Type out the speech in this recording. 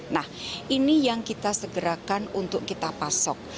nah ini yang kita segerakan untuk kita pasok